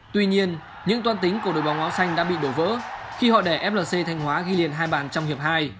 tuy nhiên những toan tính của đội bóng áo xanh đã bị đổ vỡ khi họ đẻ flc thanh hóa ghi liền hai bàn trong hiệp hai